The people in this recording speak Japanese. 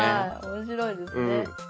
面白いですね。